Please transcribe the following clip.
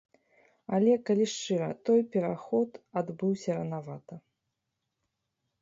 Але, калі шчыра, той пераход адбыўся ранавата.